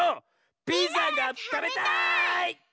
ピザがたべたい！